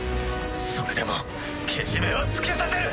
それでもけじめはつけさせる。